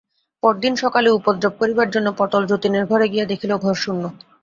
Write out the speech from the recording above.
পরদিন সকালে উপদ্রব করিবার জন্য পটল যতীনের ঘরে গিয়া দেখিল, ঘর শূন্য।